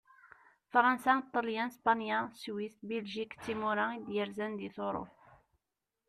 Fṛansa, Ṭelyan, Spanya, Swis, Biljik d timura i d-yerzan di Turuft.